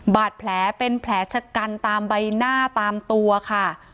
บาดแผลเป็นแผลชะกันตามใบหน้าตามตัวค่ะ